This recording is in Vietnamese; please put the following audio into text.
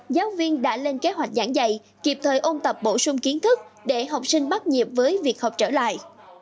giáo viên đã lên kế hoạch giảng dạy kịp thời ôn tập bổ sung kiến thức để học sinh bắt nhịp với việc học trở lại